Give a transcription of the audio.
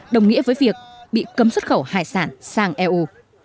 đồng nghĩa với việc bị cấm xuất khẩu hải sản sang eu